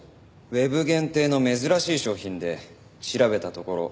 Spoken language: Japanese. ウェブ限定の珍しい商品で調べたところ